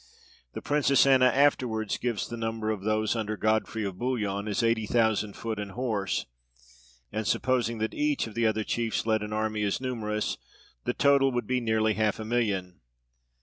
The Princess Anna afterwards gives the number of those under Godfrey of Bouillon as eighty thousand foot and horse; and supposing that each of the other chiefs led an army as numerous, the total would be near half a million.